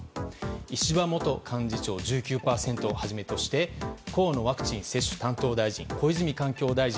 石破元幹事長、１９％をはじめとして河野ワクチン接種担当大臣小泉環境大臣